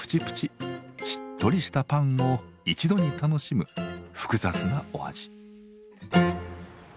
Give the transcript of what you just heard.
しっとりしたパンを一度に楽しむ複雑なお味。